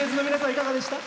いかがでした？